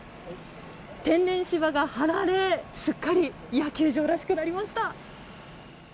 天然芝が張られすっかり野球場らしくなりました。